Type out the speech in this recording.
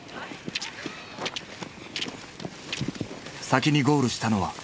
先にゴールしたのは川除。